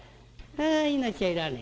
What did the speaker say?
あ命はいらねえ」。